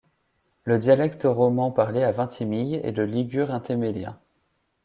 Le dialecte roman parlé à Vintimille est le ligure intémélien.